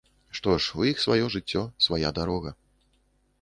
Што ж, у іх сваё жыццё, свая дарога.